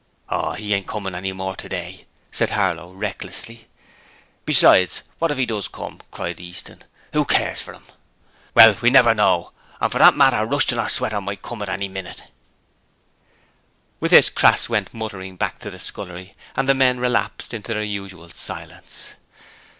'Oh, he ain't comin' any more today,' said Harlow, recklessly. 'Besides, what if 'e does come?' cried Easton. 'Oo cares for 'im?' 'Well, we never know; and for that matter Rushton or Sweater might come at any minit.' With this, Crass went muttering back to the scullery, and the men relapsed into their usual silence.